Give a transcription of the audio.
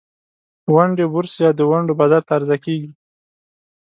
ونډې بورس یا د ونډو بازار ته عرضه کیږي.